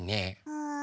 うん？